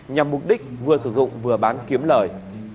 nhằm mục đích vừa sử dụng vừa bán kiếm lời